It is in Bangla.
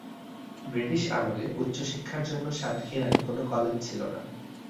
ব্রিটিশ আমলে উচ্চ শিক্ষার জন্য সাতক্ষীরায় কোন কলেজ ছিলনা।